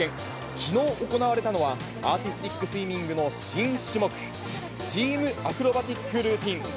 きのう行われたのはアーティスティックスイミングの新種目、チーム・アクロバティックルーティン。